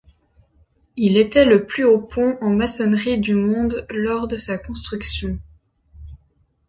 Il était le plus haut pont en maçonnerie du monde lors de sa construction.